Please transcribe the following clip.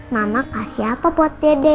mama kasih apa buat dede